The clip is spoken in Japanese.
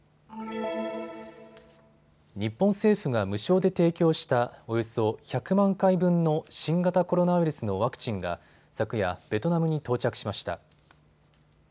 日本政府が無償で提供したおよそ１００万回分の新型コロナウイルスのワクチンが昨夜、ベトナムに到着しました。